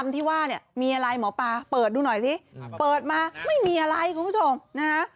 ที่ว่าเนี่ยมีอะไรหมอปลาเปิดดูหน่อยสิเปิดมาไม่มีอะไรคุณผู้ชมนะฮะ